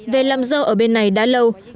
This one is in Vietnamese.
về lâm dơ ở bên này đã lâu rồi